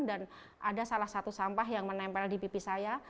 dan ada salah satu sampah yang menempel di pipi saya